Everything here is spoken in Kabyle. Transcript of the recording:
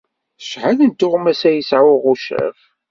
Acḥal n tuɣmas ay yesɛa uɣuccaf?